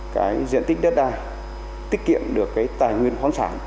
cái diện tích đất đai tiết kiệm được cái tài nguyên khoáng sản